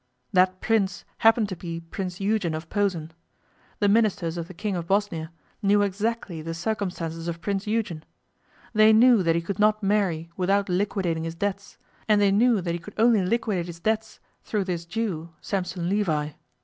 That Prince happened to be Prince Eugen of Posen. The Ministers of the King of Bosnia knew exactly the circumstances of Prince Eugen. They knew that he could not marry without liquidating his debts, and they knew that he could only liquidate his debts through this Jew, Sampson Levi.